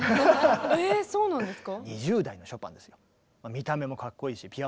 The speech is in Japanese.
えそうなんですか？